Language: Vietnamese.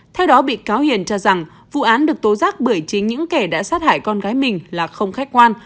theo đó bị cáo hiền cho rằng vụ án được tố giác bởi chính những kẻ đã sát hại con gái mình là không khách quan